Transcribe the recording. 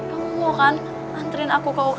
kamu mau kan anterin aku ke uks